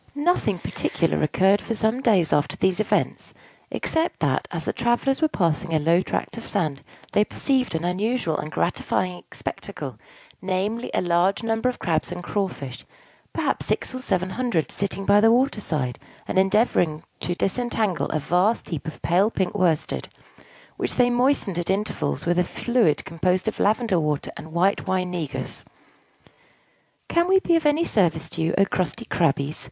Nothing particular occurred for some days after these events, except that, as the travellers were passing a low tract of sand, they perceived an unusual and gratifying spectacle; namely, a large number of Crabs and Crawfish perhaps six or seven hundred sitting by the water side, and endeavoring to disentangle a vast heap of pale pink worsted, which they moistened at intervals with a fluid composed of lavender water and white wine negus. "Can we be of any service to you, O crusty Crabbies?"